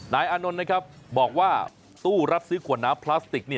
อานนท์นะครับบอกว่าตู้รับซื้อขวดน้ำพลาสติก